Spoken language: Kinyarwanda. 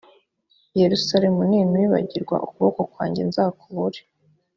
yerusalemu ninkwibagirwa ukuboko kwanjye nzakubure.